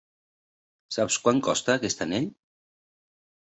Saps quant costa aquest anell?